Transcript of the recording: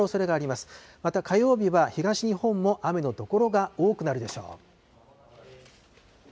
また火曜日は東日本も雨の所が多くなるでしょう。